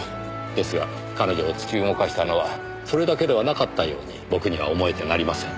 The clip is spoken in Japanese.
ですが彼女を突き動かしたのはそれだけではなかったように僕には思えてなりません。